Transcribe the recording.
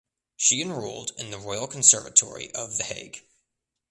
She enrolled in the Royal Conservatory of The Hague.